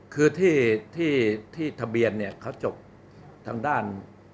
คือที่ทะเบียนเนี่ยเขาจบทางด้าน